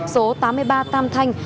số tám mươi ba tam thanh